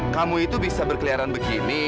kamu itu bisa berkeliaran begini